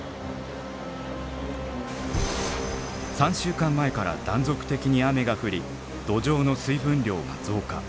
３週間前から断続的に雨が降り土壌の水分量が増加。